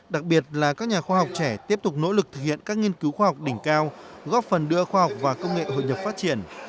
đặc biệt là các nhà khoa học trẻ tiếp tục nỗ lực thực hiện các nghiên cứu khoa học đỉnh cao góp phần đưa khoa học và công nghệ hội nhập phát triển